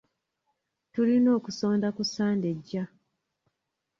Tulina okusonda ku Sande ejja.